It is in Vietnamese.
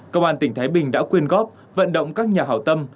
công an tỉnh thái bình đã quyên góp vận động các nhà hảo tâm